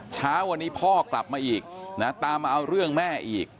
เช้าวันนี้พ่อกลับมาอีกนะตามมาเอาเรื่องแม่อีก